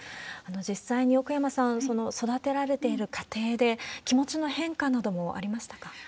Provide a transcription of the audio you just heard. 実際に奥山さん、育てられている家庭で、気持ちの変化などもありましたか？